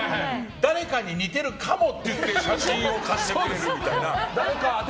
誰かに似てるかもって写真を貸してくれるみたいな。